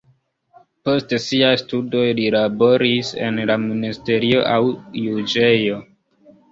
Post siaj studoj li laboris en la ministerio aŭ en juĝejo.